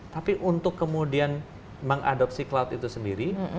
tapi untuk kemudian mengadopsi cloud itu sendiri